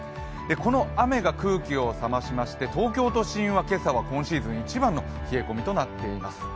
この雨が空気を冷ましまして、東京都心は今朝は今シーズン１番の冷え込みとなっています。